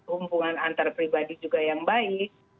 hubungan antar pribadi juga yang baik